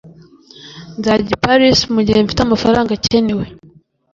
nzajya i paris mugihe mfite amafaranga akenewe.